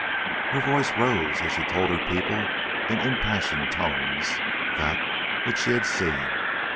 Her voice rose as she told her people in impassioned tones that which she had seen.